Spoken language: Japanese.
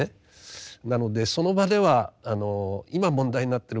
なのでその場では今問題になってること